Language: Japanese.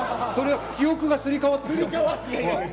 記憶がすり替わってきちゃう。